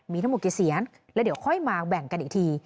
มีทั้งหมดกี่เสียนแล้วเดี๋ยวค่อยมาแบ่งกันอีกที